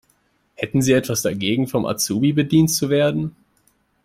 Hätten Sie etwas dagegen, vom Azubi bedient zu werden?